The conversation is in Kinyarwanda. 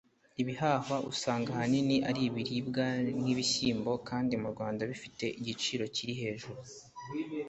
Ibihahwa usanga ahanini ari ibiribwa nk’ibishyimbo kandi mu Rwanda bifite igiciro kiri hejuru